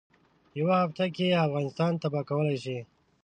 یوه هفته کې افغانستان تباه کولای شي.